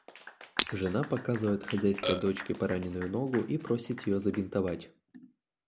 Жена показывает хозяйской дочке пораненную ногу и просит её забинтовать.